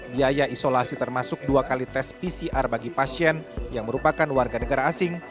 biaya isolasi termasuk dua kali tes pcr bagi pasien yang merupakan warga negara asing